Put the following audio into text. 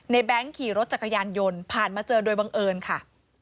แบงค์ขี่รถจักรยานยนต์ผ่านมาเจอโดยบังเอิญค่ะ